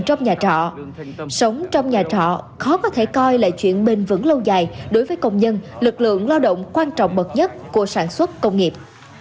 sông trong nhà trọ khó có thể coi là chuyện bền vững lâu dài đối với công nhân lực lượng lao động quan trọng bậc nhất của sản xuất công nghiệp